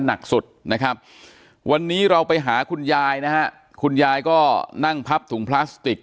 หนักสุดนะครับวันนี้เราไปหาคุณยายนะฮะคุณยายก็นั่งพับถุงพลาสติก